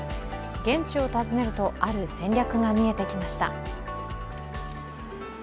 現地を訪ねるとある戦略が見えてきました。